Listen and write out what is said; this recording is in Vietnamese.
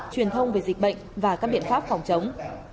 truyền thông về dịch bệnh và các biện pháp phòng chống